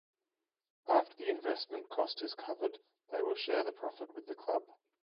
After the investment cost is covered they will share the profit with the club.